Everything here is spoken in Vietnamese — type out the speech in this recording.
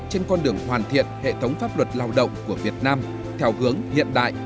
trên con đường hoàn thiện hệ thống pháp luật lao động của việt nam theo hướng hiện đại